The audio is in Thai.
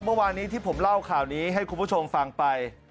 เมื่อวานนี้ที่ผมเล่าข่าวนี้ให้คุณผู้ชมฟังไป